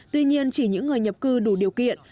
tuy nhiên chỉ những người nhập cư đủ điều kiện